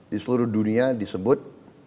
di seluruh dunia disebut